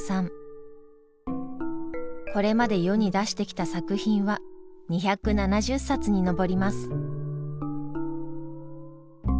これまで世に出してきた作品は２７０冊に上ります。